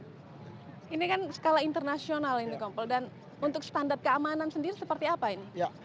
ini kan skala internasional ini kompol dan untuk standar keamanan sendiri seperti apa ini